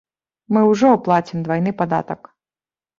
Мы ўжо плацім двайны падатак.